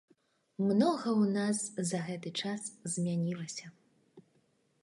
Многа ў нас за гэты час змянілася.